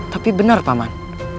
tapi benar paman